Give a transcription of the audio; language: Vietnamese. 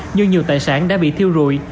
nhưng nhiều tài sản đã bị thiêu rùi